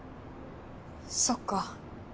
そっか。